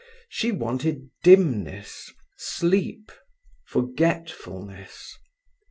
She wanted dimness, sleep, forgetfulness.